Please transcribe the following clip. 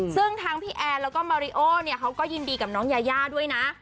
ซึ่งทั้งพี่แอนแล้วก็มาริโอเนี่ยเขาก็ยินดีกับน้องยายาด้วยนะ